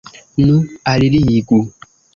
Nu, alligu!